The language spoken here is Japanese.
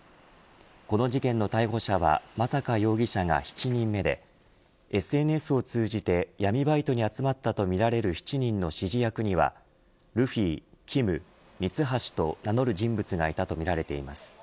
この事件の逮捕者は真坂容疑者が７人目でＳＮＳを通じて闇バイトに集まったとみられる７人の指示役にはルフィキム、ミツハシと名乗る人物がいたとみられています。